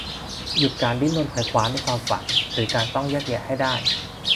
หยุดการดิ้นรนไขว่คว้าในความฝัน หรือการต้องแยกแยะให้ได้